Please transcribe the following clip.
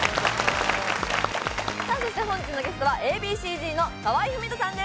本日のゲストはＡ．Ｂ．Ｃ−Ｚの河合郁人さんです。